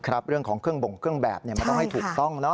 เรื่องของเครื่องบ่งเครื่องแบบมันต้องให้ถูกต้องเนอ